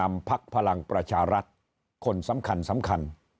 พักพลังประชารัฐคนสำคัญสำคัญ